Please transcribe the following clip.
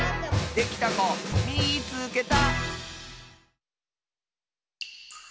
できたこみいつけた！